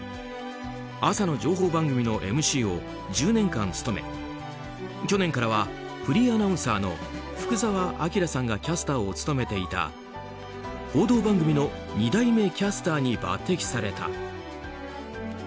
朝の情報番組のＭＣを１０年間務め去年からはフリーアナウンサーの福澤朗さんがキャスターを務めていた報道番組の２代目キャスターに抜擢された。